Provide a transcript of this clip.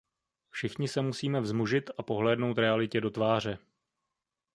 Všichni se musíme vzmužit a pohlédnout realitě do tváře.